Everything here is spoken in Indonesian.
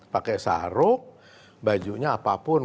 pakai sarok bajunya apapun